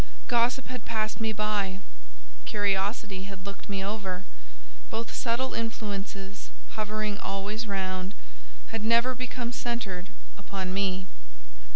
Gossip had passed me by; curiosity had looked me over; both subtle influences, hovering always round, had never become centred upon me.